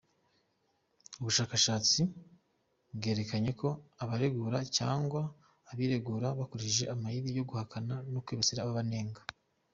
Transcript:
Ubushakashatsi bwerekanye ko abaregura, cyangwa abiregura, bakoresheje amayeri yo guhakana no kwibasira ababanenga.